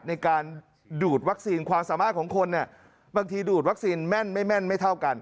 ในการดูดวัคซีนความสามารถของคนเนี่ยบางทีดูดวัคซีนแม่นไม่แม่นไม่เท่ากัน